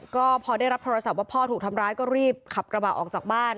ก็พอได้รับโทรศัพท์ว่าพ่อถูกทำร้ายก็รีบขับกระบะออกจากบ้าน